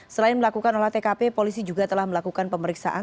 selain melakukan olah tkp polisi juga telah melakukan pemeriksaan